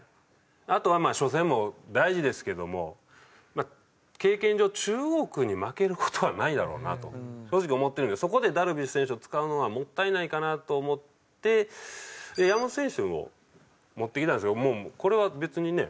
あとは初戦も大事ですけども経験上中国に負ける事はないだろうなと正直思ってるんでそこでダルビッシュ選手を使うのはもったいないかなと思って山本選手を持ってきたんですけどもうこれは別にね